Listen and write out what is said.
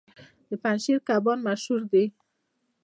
د پنجشیر کبان مشهور دي